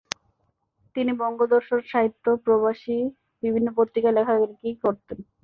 তিনি বঙ্গদর্শন, সাহিত্য, প্রবাসী বিভিন্ন পত্রিকায় লেখালেখি করতেন।